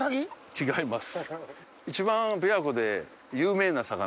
違います。